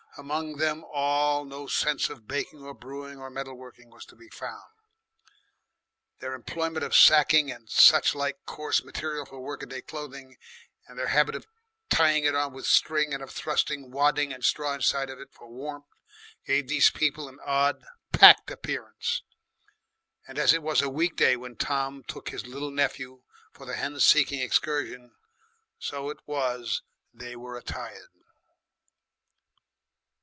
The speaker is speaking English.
Among them all no sense of baking or brewing or metal working was to be found. Their employment of sacking and such like coarse material for work a day clothing, and their habit of tying it on with string and of thrusting wadding and straw inside it for warmth, gave these people an odd, "packed" appearance, and as it was a week day when Tom took his little nephew for the hen seeking excursion, so it was they were attired.